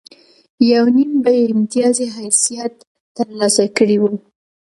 یو نیم به یې امتیازي حیثیت ترلاسه کړی و.